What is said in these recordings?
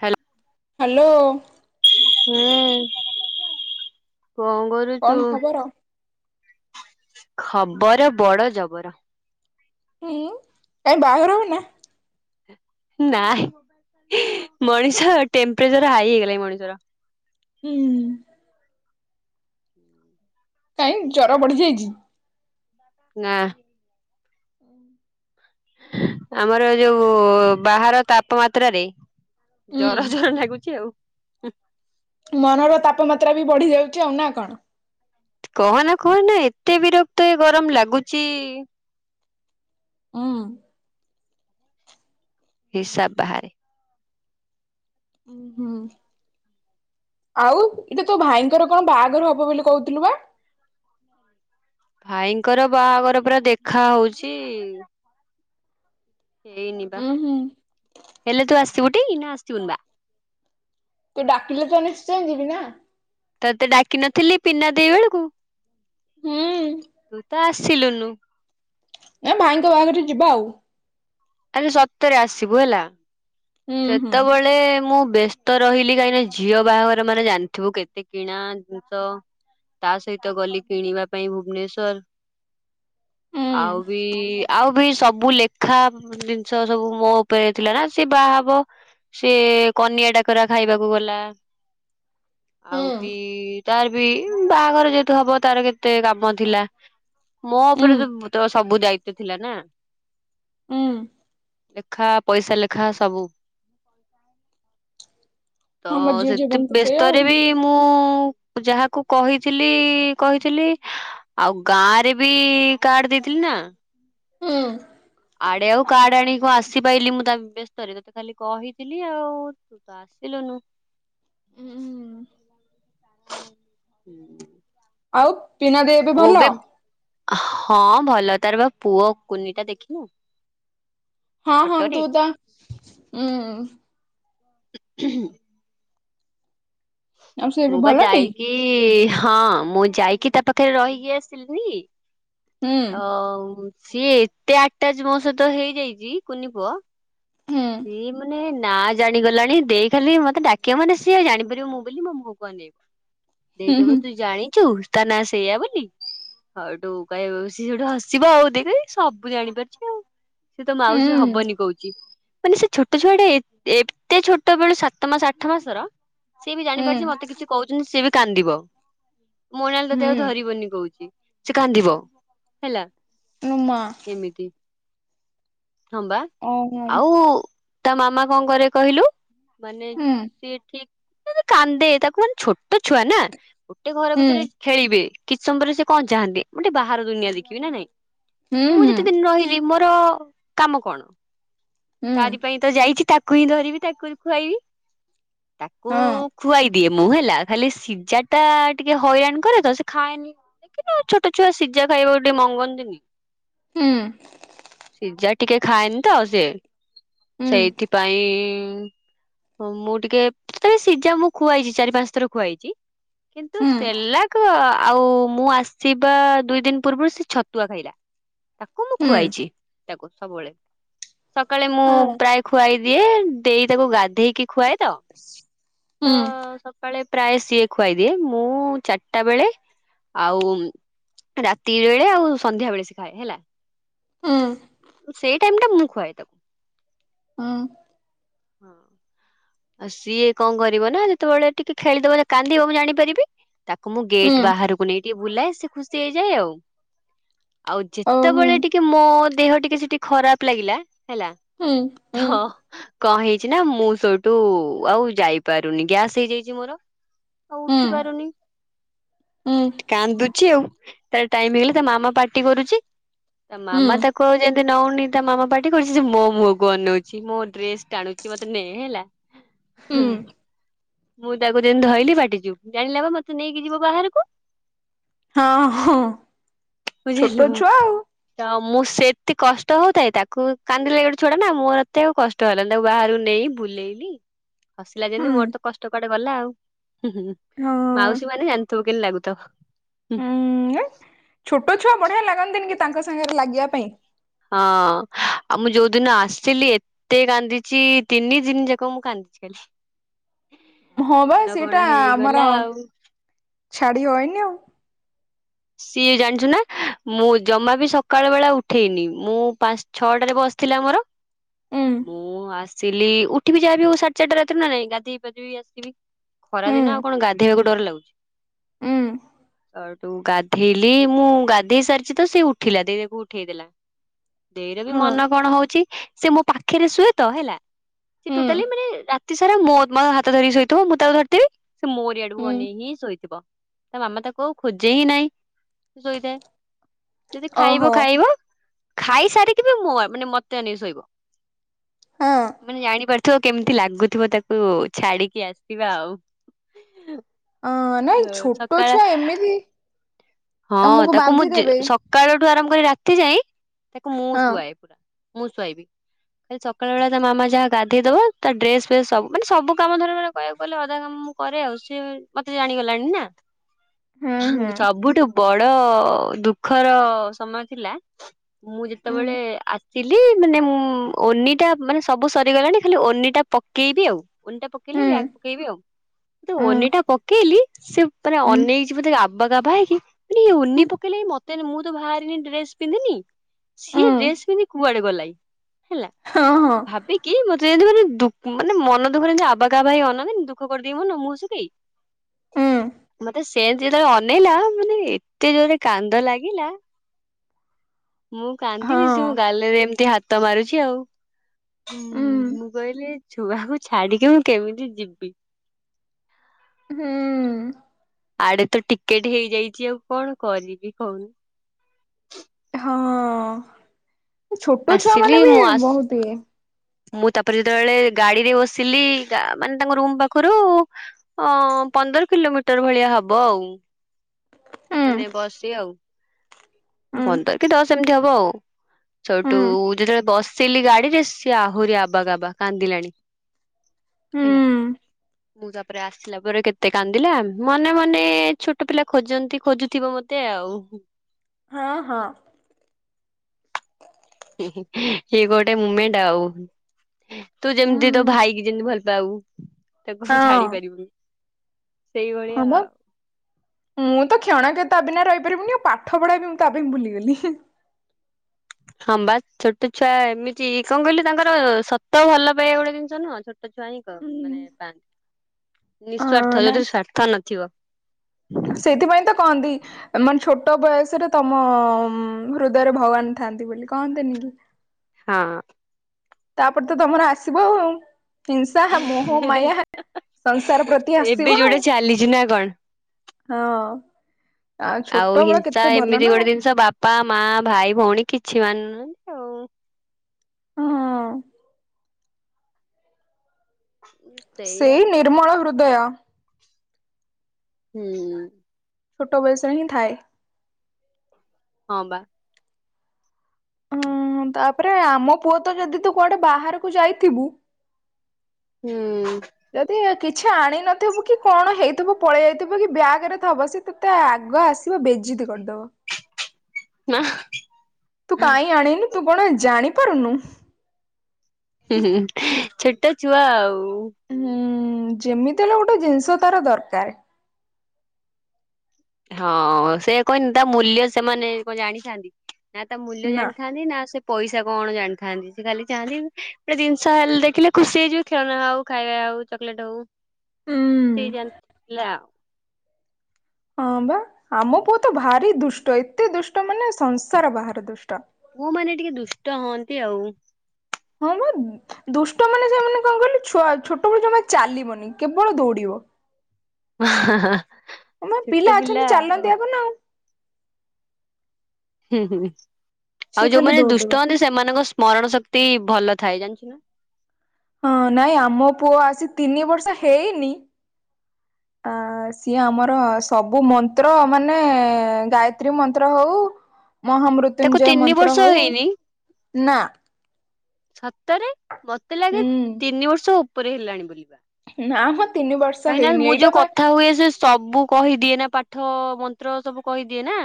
Hello. Hello. ହୁଁ କ'ଣ କହୁ? କ'ଣ ଖବର? ଖବର ବଡ ଜବର। ହୁଁ କାଇ ବାହାଘର ହବୁନା। ନାଇଁ ମଣିଷ ଟେମ୍ପରେଚର ହାଇ ହେଇଗଲାଣି ଏ ମଣିଷର। ହୁଁ। କାଇଁ ଜର ବଢି ଯାଇଛି। ନା। ଆମର ଯୋଉ ବାହାର ତାପମାତ୍ରାରେ। ହୁଁ ଜର ଜର ଲାଗୁଛି ଆଉ। ମନର ତାପମାତ୍ରା ବି ବଢି ଯାଉଛି ଆଉ ନା କ'ଣ? କହନା କହନା ଏତେ ବିରକ୍ତ ଏ ଗରମ ଲାଗୁଛି। ହଁ। ହିସାବ ବାହାରେ। ହୁଁ ଆଉ ଏଇଟା ତୋ ଭାଇଙ୍କର କ'ଣ ବାହାଘର ହବ ବୋଲି କହୁଥିଲୁ ବା। ଭାଇଙ୍କର ବାହାଘର ପୁରା ଦେଖା ହଉଛି। ହେଇନି ବା ଉଁ ହୁଁ ହେଲେ ତୁ ଆସିିବୁ ଟି ନା ଆସିଥିବୁନି ବା। ତୁ ଡାକିଲେ ତ ନିଶ୍ଚୟ ଯିବି ନା। ତତେ ଡାକି ନଥିଲି ପିନା ଦେଇ ବେଳକୁ ହୁଁ ତୁ ତ ଆସିଲୁନୁ। ନା ଭାଇଙ୍କ ବାହାଘର ଯିବା ଆଉ। ଆରେ ସତରେ ଆସିବୁ ହେଲା ହୁଁ ହୁଁ ସେତେବେଳେ ମୁଁ ବସ୍ତ। ତ ରହିଲି କାହିଁକି ଝିଅ ବାହାଘର ମାନେ ଜାଣିଥିବୁ କେତେ କିଣା ଜିନିଷ ତା ସହିତ ଗଲି କିଣିବା ପାଇଁ ଭୁବନେଶ୍ଵର। ହୁଁ ଆଉ ବି ଆଉ ବି ସବୁ ଲେଖା ଜିନିଷ ସବୁ ମୋ ଉପରେ ଥିଲା ନା ସେ ବାହା ହବ ସେ କନିଆ ଡାକରା ଖାଇବାକୁ ଗଲା। ହୁଁ ଆଉ ବି ତାର ବି ବାହାଘର ଯେହେତୁ ହବ ତାର କେତେ କାମ ଥିଲା। ମୋ ଉଁ ଉପରେ ତ ତ ସବୁ ଦାୟିତ୍ୱ ଥିଲା ନା। ହୁଁ। ଲେଖା ପଇସା ଲେଖା ସବୁ। ତ ହଁ ମୋ ଝିଅ ଜୀବନ ସେଥି ତ ସେଇଆ ଆଉ। ବ୍ୟସ୍ତରେ ବି ମୁଁ ଯାହାକୁ କହିଥିଲି କହିଥିଲି ଆଉ ଗାଁ ରେ ବି କାର୍ଡ ଦେଇଥିଲି ନା। ହୁଁ। ଆଡେ ଆଉ କାଡେ ଆଣିକି କଣ ଆସିପାଇଲିି ମୁଁ ତାଙ୍କ ବ୍ୟସ୍ତରେ ତୋତେ ଖାଲି କହିଥିଲି ଆଉ। ତୁ ତ ଆସିଲୁନୁ। ଉଁ ହୁଁ। ହୁଁ। ଆଉ ପିନା ଦେଇ ଏବେ ମୁଁ ଭଲ? ବି ହଁ ଭଲ ତାର ବା ପୁଅ କୁନି ଟା ଦେଖିନୁ? ହଁ ହଁ ଫଟୋରେ ତୁ ତା ଉଁ [unintelligible] ଆଉ ସେ ମୁଁ ବି ପା ଭଲଟି? ଯାଇକି ହଁ ମୁଁ ଯାଇକି ତା ପାଖରେ ରହିକି ଆସିଲିନି। ହୁଁ ଅ ସିଏ ଏତେ ଆଟାଜ ମୋ ସହିତ ହେଇଯାଇଚି କୁନି ପୁଅ ହୁଁ ସିଏ ମାନେ ନା ଜାଣିଗଲାଣି ଦେଇ ଖାଲି ମତେ ଡାକିବ ମାନେ ସିଏ ଜାଣିପାରିବ ମୁଁ ବୋଲି ମୋ ମୁହଁ କୁ ଅନେଇବ। ଦେଇ ହୁଁ କହିବ ତୁ ଜଣିଚୁ ତା ନାଁ ସେଇଆ ବୋଲି। ହଟୁ କହିବ ସେ ସେଇଠୁ ହସିବ ଆଉ ଦେଇ କହିବ ଏ ସବୁ ଜାଣିପାରୁଚି ଆଉ। ସେ ତ ହୁଁ ମାଉସୀ ହବନି କହୁଚି। ମାନେ ସେ ଛୋଟ ଛୁଆଟା ଏତେ ଛୋଟ ବେଳୁ ସାତ ମାସ ଆଠ ମାସର ସିଏ ବି ହୁଁ ଜାଣିପାରୁଚି ମତେ କିଛି କହୁଚନ୍ତି ସିଏ ବି କାନ୍ଦିବ। ମୋନାଲି ହୁଁ ତତେ ଆଉ ହୁଁ ଧରିବନି କହୁଚି ସେ କାନ୍ଦିବ ହେଲା। ନୋ ମା। ଏମିତି ହଁ ବା। ଓହୋ। ଆଉ ତା ମାମା କଣ କରେ କହିଲୁ ମାନେ ହୁଁ ସିଏ ଟିକ ଅଦି କାନ୍ଦେ ତାକୁ ମାନେ ଛୋଟ ଛୁଆ ନା ଗୋଟେ ଘର ହୁଁ ଭିତରେ ଖେଳିବେ କିଛି ସମୟପରେ ସେ କଣ ଚାହାନ୍ତି ମୁ ଟେ ବାହାର ଦୁନିଆ ଦେଖିବି ନା ନାଇଁ ହୁଁ ମୁଁ ହୁଁ ଯେତେ ଦିନ ରହି [unintelligible] ମୋର କାମ କଣ? ହୁଁ ତାରି ପାଇଁ ତ ଯାଇଚି ତାକୁ ହିଁ ଧରିବି ତାକୁ ହିଁ ଖୁଆଇବି। ତାକୁ ହଁ ଖୁଆଇ ଦିଏ ମୁଁ ହେଲା। ଖାଲି ସିଝା ଟା ଟିକେ ହଇରାଣ କରେ ତ ସେ ଖାଏନି କିନ୍ତ ଛୋଟ ଛୁଆ ସିଝା ଖାଇବାକୁ ଟିକେ ମଗନ୍ତିନି। ହୁଁ ସିଝା ଟିକେ ଖାଏନି ତ ସେ ହୁଁ ସେଇଥିପାଇଁ ମୁଁ ଟିକେ ତଥାପି ସିଝା ମୁଁ ଖୁଆଇଚି ଚାରି ପାଞ୍ଚ ଥର ଖୁଆଇଚି। କିନ୍ତୁ ହୁଁ ସେଲାକ ଆଉ ମୁଁ ଆସ ସିବା ଦୁଇ ଦିନ ପୂର୍ବରୁ ସେ ଛତୁଆ ଖାଇଲା। ତାକୁ ମୁଁ ହୁଁ ଖୁଆଇଚି ତାକୁ ସବୁବେଳେ। ସକାଳେ ମୁଁ ହଁ ପ୍ରାୟ ଖୁଆଇ ଦିଏ ଦେଇ ତାକୁ ଗାଧେଇକି ଖୁଆଏ ତ ହୁଁ ତ ସ କାଳେ ପ୍ରାୟ ସିଏ ଖୁଆଇଦିଏ। ମୁଁ ଚାରିଟା ବେଳେ ଆଉ ରାତି ବେଳେ ଆଉ ସନ୍ଧ୍ୟା ବେଳେ ସିଏ ଖାଏ ହେଲା। ହୁଁ ହୁଁ ସେଇ ଟାଇମ୍ ଟା ମୁଁ ଖୁଆଏ ତାକୁ। ହୁଁ। ହଁ। ଅ ସିଏ କଣ କରିବ ନା ଯେତେବେଳେ ଟିକେ ଖେଳିଦବ ଯେ କାନ୍ଦିବ ମୁଁ ଜାଣିପାରିବି। ତାକୁ ମୁଁ ଗେଟ୍ ବାହାରକୁ ନେଇ ଟିକେ ବୁଲାଏ ସେ ଖୁସି ହେଇଯାଏ ଆଉ। ଆଉ ଓ ହୁଁ ଯେତେବେଳେ ଟିକେ ମୋ ଦେହ ଟିକେ ସେଠି ଖରାପ ଲାଗିଲା ହେଲା ହୁଁ ହୁଁ ତ କଣ ହେଇଛି ନା ମୁଁ ସୋ ତୁ ଆଉ ଯାଇପାରୁନି ଗ୍ୟାସ୍ ହେଇଯାଇଛି ମୋର ଆଉ ହୁଁ ଉଠି ପାରୁନି ହୁଁ କାନ୍ଦୁଛି ଆଉ ତାର ଟାଇମ୍ ହେଇଗଲେ ତା ମାମା ପାର୍ଟି କରୁଛି ତା ହୁଁ ମାମା ତାକୁ ଆଉ ଯେମ ତି ନଉନି ତା ମାମା ପାର୍ଟି କରୁଛି ସେ ମୋ ମୁହଁକୁ ଅନଉଛି ମୋ ଡ୍ରେସ ଟାଣୁଛି ମତେ ନେ ହେଲା। ହଁ ହୁଁ ମୁଁ ତାକୁ ଯେମିତି ଧଇଲି ପାଟି ଚୁପ୍ ଜାଣିଲା ବା ମତେ ନେଇକି ଯିବ ବାହାରକୁ। ହଁ ହଁ ବୁଝିଲୁ। ଛୋଟ ଛୁଆ ଆଉ। ତ ମୁଁ ସେତି କଷ୍ଟ ହଉଥାଏ ତାକୁ କାନ୍ଦିଲେ ଗୋଟେ ଛୁଆଟା ନା ମୋତେ ଆଉ କଷ୍ ଷ୍ଟ ହେଲାନି ତାକୁ ବାହାରକୁ ନେଇ ବୁଲେଇଲି ହସିଲା ଯେମିତି ହୁଁ ମୋର ତ କଷ୍ଟ କୁଆଡ଼େ ଗଲା ଆଉ। ହୁଁ ହୁଁ ହଁ ମାଉସୀ ମାନେ ଜାଣିଥିବ କେମିତି ଲାଗୁଥିବ? ହଁ ଉଁ ଛୋଟ ଛୁଆ ବଢ଼ିଆ ଲାଗନ୍ତିନି କି ତାଙ୍କ ସାଙ୍ଗରେ ଲାଗିବା ପାଇଁ। ହଁ ଆଉ ମୁଁ ଯୋଉଦିନ ଆସିଥିଲି ଏ ତେ କାନ୍ଦିଛି ତିନି ଜିନ ଜାକ ମୁଁ କାନ୍ଦିଛି ଖାଲି। ହଁ ବା ସେଇଟା ଆମର ଛାଡ଼ି ହଏନି ଆଉ। ସିଏ ଜାଣିଛୁ ନା ମୁଁ ଜମା ବି ସକାଳ ବେଳା ଉଠେନି ମୁଁ ପାଞ୍ଚ ଛଅଟାରେ ବଶ୍ ଥିଲା ମୋର। ଉଁ ମୁଁ ଆସିଲି ଉଠିବି ଯାହାବିହଉ ସାଢ଼େ ଚାରିଟା ରାତିରୁ ନା ନାଇଁ ଗାଧେଇ ପାଧିବି ଆସିବି। ଖରା ଦିନ ହୁଁ ଆଉ କଣ ଗାଧେଇବାକୁ ଡର ଲାଗୁଛି। ଉଁ। ଆର ତୁ ଗାଧେଇଲି ମୁଁ ଗାଧେଇ ସାରିଛି ତ ସେ ଉଠିଲା ଦେଇ ତାକୁ ଉଠେଇ ଦେଲା। ଦେଇର ବି ହଁ ମନ କଣ ହଉଛି ସେ ମୋ ପାଖରେ ଶୁଏତ ହେଲା ସେ ହୁଁ ଟୋଟାଲି ମାନେ ରା ତି ସାରା ମୋ ମହାତ ଧରିକି ଶୋଇଥିବ ମୁଁ ତାକୁ ଧରିଥିବି ସେ ମୋରିଆଡ଼କୁ ହୁଁ ଅନେଇକି ହିଁ ଶୋଇଥିବ। ତା ମାମା ତାକୁ ଆଉ ଖୋଜେ ହିଁ ନାଇଁ। ଶୋଇଥାଏ ଯଦି ଓହୋ ଖାଇବ ଖାଇବ। ଖାଇସାରିକି ବି ମୁଁ ମାନେ ମତେ ଆନେଇକି ଶୋଇବ। ହଁ ମାନେ ଜାଣିପାରୁଥିବ କେମିତି ଲାଗୁଥିବ ତାକୁ ଛାଡିକି ଆସିବା ଆଉ। ଅଁ ନାଇଁ ଛୋଟ ସକାଳ ଛୁଆ ଏମିତି ହଁ ତମକୁ ତାକୁ ମୁଁ ଯେ ବାନ୍ଧିଦେବେ ସକାଳଠୁ ଆରମ୍ଭ କରି ରାତି ଯାଇ ତାକୁ ମୁଁ ହଁ ଶୁଆଏ। ମୁଁ ଶୁଆଇବି। ଖାଲି ସକାଳେ ବେଳା ତା ମାମା ଯାହା ଗାଧେଇଦବା ତା ଡ୍ରେସ ଫେସ ସବୁ ମାନେ ସବୁ କାମ ଧର କହିବାକୁ ଗଲେ ଅଧା କାମ ମୁଁ କରେ ଆଉ ସିଏ ମତେ ଜାଣିଗଲାଣି ନା। ହୁଁ ହୁଁ ସବୁଠୁ ବଡ଼ ଦୁଃଖର ସମୟ ଥିଲା ମୁଁ ଉଁ ଯେତେବେଳେ ଆ ସିଲି ମାନେ ଓନିଟା ମାନେ ସବୁ ସରିଗଲାଣି ଖାଲି ଓନିଟା ପକେଇବି ଆଉ ଓନିଟା ପକେଇଲେ ହୁଁ ବ୍ୟାଗ ପକେଇବି ଆଉ ଯୋଉ ଓନିଟା ପକେଇଲି ସିଏ ପୁରା ଉଁ ଉଁ ଅନେଇ ଛି ବୋଧେ ଆବା କାଭା ହେଇକି ମାନେ ଇଏ ହୁଁ ଓନି ପକେଇଲେ ମତେ ମୁଁ ତ ବାହାରିନି ଡ୍ରେସ ପିନ୍ଧିନି ସିଏ ଉଁ ଡ୍ରେସ ପିନ୍ଧି କୁଆଡେ଼ ଗଲାକି ହେଲା ହଁ ହଁ। ଭାବିକି ମତେ ଯେମତି ମାନେ ଦୁ ମାନେ ମନ ଦୁଃଖରେ ଜେମତି ଆବା କାବା ହେଇ ଅନାନ୍ତିନି ଦୁଃଖ କରିଦେଇି ମନ ମୁଁହ ଶୁଖେଇ ଉଁ ମତେ ସେମତି ଯେତେବେଳେ ଅନେଇଲା ମାନେ ଏ ଏତେ ଯୋରେ କାନ୍ଦ ଲାଗିଲା ମୁଁ କାନ୍ଦିବି ସେ ମୋ ହଁ ଗାଲରେ ଏମିତି ହା ତ ମାରୁଛି ଆଉ ଉଁ ହୁଁ ମୁଁ କହିଲି ଛୁଆକୁ ଛାଡ଼ିକୀ ମୁଁ କେମିତି ଯିବି? ହୁଁ। ଆଡେ ତ ଟିକେଟ ହେଇଯାଇଛି ଆଉ କଣ କରିବି କହୁନୁ। ହଁ ଛୋଟ ଛୁଆ ଆସିଲି ମାନେ ବି ମୁଁ ଆସ ବହୁତ ଇଏ। ମୁଁ ତାପରେ ଯେତେବେଳେ ଗାଡିରେ ବସିଲି ମାନେ ତାଙ୍କ ରୁମ ପାଖରୁ। ଅ ପନ୍ଦର କିଲୋମିଟର ଭଳିଆ ହବ ଆଉ। ଉଁ ମାନେ ବସି ଆଉ ଉଁ ପନ୍ଦର କି ଦଶ ଏମିତି ହବ ଆଉ। ଉଁ ସୋଠୁ ଯେତେବେଳେ ବସିଲି ଗାଡିରେ ସିଏ ଆହୁରି ଆବା ଗାବା କାନ୍ଦିଲାଣି। ହୁଁ ହେଲା। ମୁଁ ତାପରେ ଆସିଲା ପରେ କେତେ କାନ୍ଦିଲା ମନେ ମନେ ଛୋଟ ପିଲା ଖୋଜନ୍ତି। ଖୋଜୁଥିବ ମତେ ଆଉ। ହଁ ହଁ। ସେଇ ଗୋଟେ ମୁମେଣ୍ଟ ଆଉ। ତୁ ଯେମିତି ତୋ ଉଁ ଭାଇକି ଯେମିତି ଭଲ ପାବୁ ତାକୁ ହଁ ଛାଡି ପାରିବୁନି। ହଁ ସେଇଭଳିଆ ବା ଆଉ। ମୁଁ ତ କ୍ଷଣ କେ ତା ବିନା ରହିପାରିବିନି ଆଉପାଠ ପଢ଼ା ବି ମୁଁ ତା ପାଇଁ ଭୁଲିଗଲି। ହଁ ବା ଛୋଟ ଛୁଆ ଏମିତି କଣ କହିଲି ତାଙ୍କର ସତ ଭଲ ପାଇବା ଗୋଟେ ଜିନିଷ ନୁହଁ। ଛୋଟ ଛୁଆଁ କର ମାନେ ପାଆନ୍ତି ହଁ ନିଃସ୍ଵାର୍ଥ ନାଇଁ ଯୋଉଥିରେ ସ୍ଵାର୍ଥ ନଥିବ। ସେଇଥିପାଇଁ ତ କହନ୍ତି। ମାନେ ଛୋଟ ବୟସରେ ତମ ହୃଦୟରେ ଭଗବାନ ଥାନ୍ତି ବୋଲି କହନ୍ତୀନି କି। ହଁ। ତାପରେ ତ ତମର ଆସିବ ଆଉ। ହିଂସା, ମୋହ, ମାୟା, ସଂସାର ପ୍ରତି ଏବେ ଆସିବ ଆଉ। ଯୋଉଟା ଚାଲିଛି ନା କଣ ହଁ। ଛୋଟ ଆଉ ବେଳ ହିଂସା କେତେ ଭଲ ଏମିତି ନା ଆଉ ଗୋଟେ ଜିନିଷ ବାପା, ମା, ଭାଇ ଭଉଣୀ କିଛି ମାନୁ ନାହିଁ। ହଁ। [unintelligible] ସେଇ ଆଉ କଣ ନିର୍ମଳ କରିବା ହୃଦୟ। ହୁଁ। ଛୋଟ ବୟସରେ ହିଁ ଥାଏ‌। ହଁ ବା। ହୁଁ ତାପରେ ଆମ ପୁଅ ତ ଯଦି ତୁ କୁଆଡେ ବାହାରକୁ ଯାଇଥିବୁ। ହୁଁ। ହୁଁ। ଯଦି କିଛି ଆଣ ନଥିବୁ କି କଣ ହେଇଥିବ ପଳେଇ ଆଇଥିବୁ କି ବ୍ୟାଗ ରେ ଥିବ ସେ। ତୋତେ ଆଗ ଆସିବ ବେଜିତି କରିଦବ। ନା। ତୁ କାହିଁକି ଆଣିନୁ ତୁ କଣ ଜାଣିପାରୁନୁ। ହି ହି ଛୋଟ ଛୁଆ ଆଉ। ‌ ହଁ ଯେମିତି ହେଲେ ଗୋଟେ ଜିନିଷ ତାର ଦରକାର। ହଁ ସେୟା କହିନି ତା ମୂଲ୍ୟ ସେମାନେ କଣ ଜାଣିଥାନ୍ତି। ନା ତା ମୂଲ୍ୟ ନା ଜାଣିଥାନ୍ତି ନା ସେ ପଇସା କଣ ଜାଣିଥାନ୍ତି ସେ ଖାଲି ଚାହାନ୍ତି‌। ଗୋଟେ ଜିନିଷ ହେଲେ ଦେଖିଲେ ଖୁସି ହେଇଯିବେ ଖେଳହଉ, ଖାଇବା ଆଉ, ଚକଲେଟ ହଉ। ହୁଁ ଖୁସି ହେଇଯାଆନ୍ତି ପିଲା ଆଉ। ହଁ ବା ଆମ ପୁଅ ତ ଭାରି ଦୁଷ୍ଟ ଏତେ ଦୁଷ୍ଟ ମାନେ ସଂସାର ବାହାର ଦୁଷ୍ଟ। ପୁଅ ମାନେ ଟିକେ ଦୁଷ୍ଟ ହୁଅନ୍ତି ଆଉ। ହଁ ବା। ଦୁଷ୍ଟ ମାନେ ସେମାନେ କଣ କହିଲୁ ଛୋଟବେଳୁ ଜମା ଚାଲିବନି କେବଳ ଦୌଡିବ। ହଁ ବା ପିଲା ଅଛନ୍ତି ଚାଲନ୍ତି ଆଗ ନା ଆଉ। ହୁଁ ହୁଁ ସିଏ ଆଉ ଖାଲି ଯୋଉମାନେ ଦୁଷ୍ଟ ଦୌଡିବ। ହୁଅନ୍ତି ସେମାନଙ୍କ ସ୍ମରଣ ଶକ୍ତି ଭଲ ଥାଏ ଜାଣିଛ ନା। ହଁ ନାଇଁ ଆମ ପୁଅ ଆସି ତିନି ବର୍ଷ ହେଇନି। [inaudible] ଆ ସିଏ ଆମର ସବୁ ମନ୍ତ୍ର ମାନେ ଗାୟତ୍ରୀ ମନ୍ତ୍ର ହଉ। ତାକୁ ମହାମୃତ୍ୟୁଞ୍ଜୟ ତିନି ବର୍ଷ ମନ୍ତ୍ର ହଉ ହେଇନି ନା ସତରେ ମତେ ଲାଗେ ହୁଁ ତିନି ବର୍ଷ ଉପରେ ହେଲାଣି ବଲିବା ନା ମ ତିନି ବର୍ଷ କାହିଁକି ନା ହେଇନି ମୁଁ ଏଇଟା ଯୋଉ ବା କଥା ହୁଏ ସେ ସବୁ କହିଦିଏ ନା ପାଠ ମନ୍ତ୍ର ସବୁ କହିଦିଏ ନା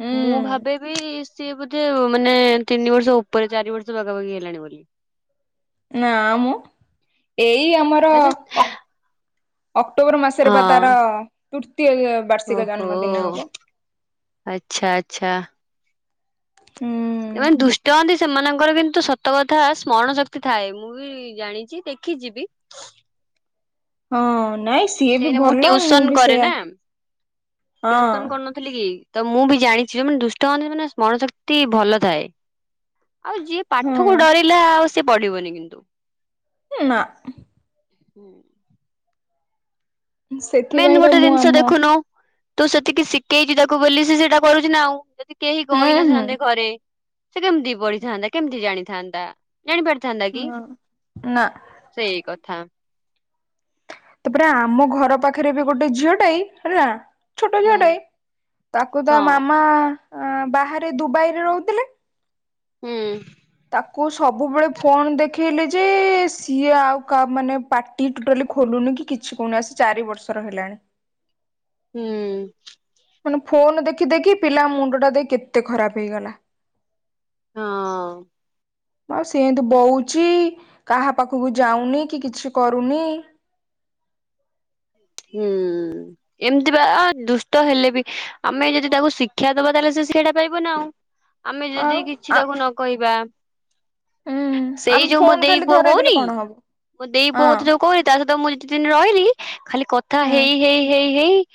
ହୁଁ ମୁଁ ଭାବେବି ସିଏ ବୋଧେ ମାନେ ତିନି ବର୍ଷ ଉପରେ ଚାରି ବର୍ଷ ପାଖାପାଖି ହେଲା। ଣି ବୋଲି ନା ମୁଁ ଏଇ ଆମର ଆରେ ଅକ୍ଟୋବର ମାସରେ ବା ତାର ହଁ ତୃତୀୟ ୟେ ଓହୋ ଆଚ୍ଛା, ଆଚ୍ଛା। ହୁଁ। ଏମାନେ ଦୁଷ୍ଟ ହୁଅନ୍ତି ସେମାନଙ୍କର କିନ୍ତୁ ସତ କଥା ସ୍ମରଣ ଶକ୍ତି ଥାଏ ମୁଁ ବି ଜାଣିଛି ଦେଖିଛିବି। ହଁ ନାଇଁ ସିଏ ବି କାହିଁକି ନା ଭଲ ମୁଁ ଟିଉସନ ବି କରେ ସେୟା ନା। ହଁ। ଥିଲେ କି ତ ମୁଁ ବି ଜାଣିଛି ଯଉମାନେ ଦୁଷ୍ଟ ହନ୍ତି ମାନେ ସ୍ମରଣ ଶକ୍ତି ଭଲ ଥାଏ। ଆଉ ଯିଏ ପାଠକୁ ହଁ ଡରିଲା ଆଉ ସିଏ ପଢିବନି କିନ୍ତୁ ନା। ହୁଁ। ମେନ୍ ସେଥିପାଇଁ ତ ଗୋଟେ ମୁଁ ଜିନିଷ ଆମ ଦେଖୁନୁ ତୁ ସେତିକି ଶିଖେଇଛି ତାକୁ ବୋଲି ସେ ସେଇଟା କରୁଛି ନା ଆଉ ଯଦି କେହି ହୁଁ କହିନଥାନ୍ତେ ହୁଁ ଘରେ ସେ କେମିତି ପଢିଥାନ୍ତା କେମିତି ଜାଣିଥାନ୍ତା ଜାଣି ପାରିଥାନ୍ତା କି? ହଁ ନା ସେଇ କଥା। ତାପରେ ଆମ ଘର ପାଖରେ ବି ଗୋଟେ ଝିଅଟା ଏ ହେଲା ଛୋଟ ହୁଁ ଛୁଆଟେ ଇ ତାକୁ ତା ହଁ ମାମା ବାହାରେ ଦୁବାଇ ରେ ରହୁଥିଲେ। ହୁଁ। ତାକୁ ସବୁବେଳେ ଫୋନ ଦେଖେଇଲେ ଯେ ସିଏ ଆଉ କା ମାନେ ପା ଟି ଟୋଟାଲି ଖୋଲୁନି କିଛି କହୁନି ଆସି ଚାରି ବର୍ଷର ହେଲାଣି। ହୁଁ। ମାନେ ଫୋନ ଦେଖି ଦେଖି ପିଲା ମୁଣ୍ଡ ଟା ଦେଖ କେତେ ଖରାପ ହେଇଗଲା। ହଁ। ଆଉ ସେ ଏନ୍ତି ବଉଛି କାହା ପାଖକୁ ଯାଉନି କି କିଛି କରୁନି। ହୁଁ। ଏମିତି ବା ଅ ଦୁଷ୍ଟ ହେଲେ ବି ଆମେ ଯଦି ତାକୁ ଶିକ୍ଷା ଦବା ତାହେଲେ ସେ ସେଇଟା ପାଇବ ନା ଆଉ। ଆମେ ଯଦି ଆଉ କିଛି ଆ ତାକୁ ନ କହିବା ଉଁ ସେଇ ଆମେ ଯୋଉ ମୋ ଫୋନ ଦେଇ ଖାଲି ପୁଅ ଧରେଇ ଦେଲେ କହୁନି କଣ ହବ ମୋ ଦେଇ ପୁଅ ହଁ ମତେ ଯୋଉ କୋଇ ତା ସହିତ ମୁଁ ଯେତେ ଦିନ ରହିଲି ଖାଲି କଥା ହଁ ହେଇ ହେଇ ହେଇ ହେଇ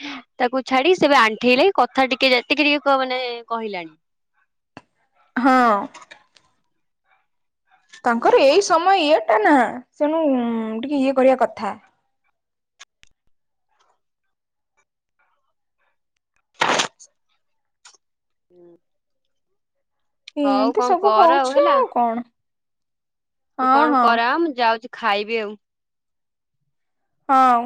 ତାକୁ ଛାଡି ସେବେ ଆଣ୍ଠେଇଲେ କଥା ଟିକେ ଯେତିକି ଯିଏ ପ ମାନେ କହିଲାଣି। ହଁ। ତାଙ୍କର ଏଇ ସମୟ ଇଏ ଟା ନା ତେଣୁ ଟିକେ ଇଏ କରିବା କଥା। ହଉ ଏମତି କଣ ସବୁ କର ହଉଛି ହେଲା ଆଉ କଣ। ତୁ ହଁ କଣ ହଁ କର ଆଁ ମୁଁ ଯାଉଛି ଖାଇବି ଆଉ। ହଁ।